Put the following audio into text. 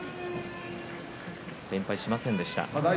連敗はしませんでした。